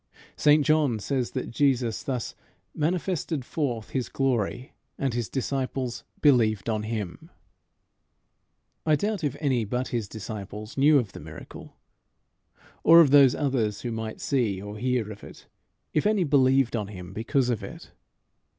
St John says that Jesus thus "manifested forth his glory, and his disciples believed on him." I doubt if any but his disciples knew of the miracle; or of those others who might see or hear of it, if any believed on him because of it.